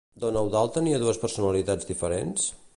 Don Eudald tenia dues personalitats diferents?